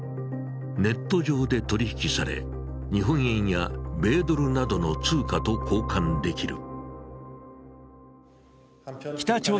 ネット上で取り引きされ日本円や米ドルなどの通貨と交換できる。